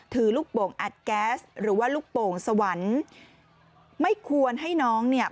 ลูกโป่งอัดแก๊สหรือว่าลูกโป่งสวรรค์ไม่ควรให้น้องเนี่ย